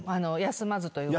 休まずというか。